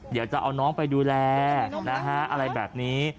เดี๋ยวจะเอาน้องไปดูแลนะฮะอะไรแบบนี้